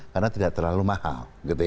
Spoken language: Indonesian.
karena tidak terlalu mahal